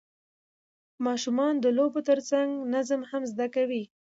ماشومان د لوبو ترڅنګ نظم هم زده کوي